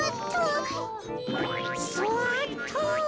そっと。